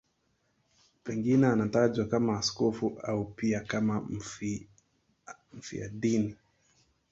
Pengine anatajwa kama askofu au pia kama mfiadini.